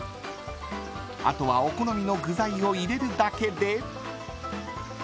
［あとはお好みの具材を入れるだけで］